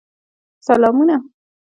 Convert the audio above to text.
سلامونه.